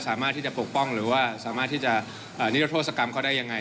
สามารถที่จะปกป้องหรือว่าสามารถที่จะนิรโทษกรรมเขาได้ยังไง